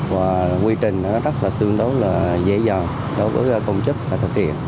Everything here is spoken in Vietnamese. và quy trình nó rất là tương đối là dễ dàng đối với công chức và thực hiện